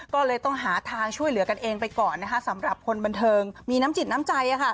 ก็เลยต้องหาทางช่วยเหลือกันเองไปก่อนนะคะสำหรับคนบันเทิงมีน้ำจิตน้ำใจ